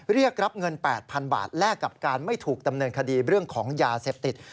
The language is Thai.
เรียกรับเงิน๘๐๐๐บาทแลกกับการไม่ถูกดำเนินคดีเรื่องของยาเสพติด